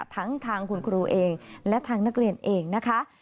ทั้งทางคุณครูเองและทางนักเรียนเองนะคะ